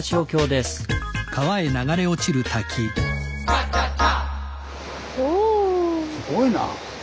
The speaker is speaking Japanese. すごいな。